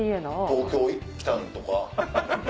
東京来たんとか？